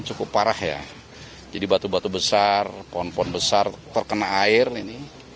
cukup parah ya jadi batu batu besar pohon pohon besar terkena air ini